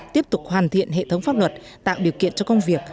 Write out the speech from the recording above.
tiếp tục hoàn thiện hệ thống pháp luật tạo điều kiện cho công việc